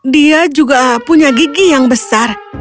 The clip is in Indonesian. dia juga punya gigi yang besar